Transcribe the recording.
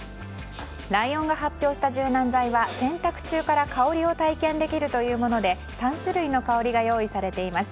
ライオンが発表した柔軟剤は洗濯中から香りを体験できるというもので３種類の香りが用意されています。